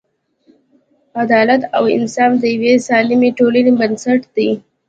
عدالت او انصاف د یوې سالمې ټولنې بنسټ دی.